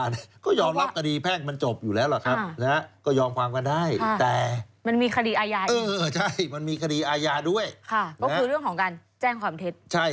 ซึ่งครูปีชาเองก็มั่นใจว่าตัวเองซื้อ